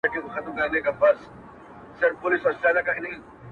وران خو وراني كيسې نه كوي.